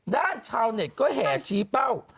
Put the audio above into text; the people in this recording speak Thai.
ด้านชาวในเน็ตก็แห่ชี้เป้า